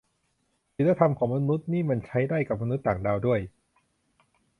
ศีลธรรมของมนุษย์นี่มันใช้ได้กับมนุษย์ต่างดาวด้วย